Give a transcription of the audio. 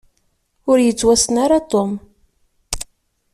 Ur yettwassen ara Tom.